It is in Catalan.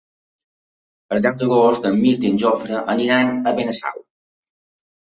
El deu d'agost en Mirt i en Jofre aniran a Benasau.